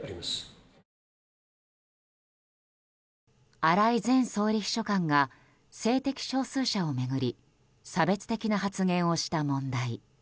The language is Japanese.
荒井前総理秘書官が性的少数者を巡り差別的な発言をした問題。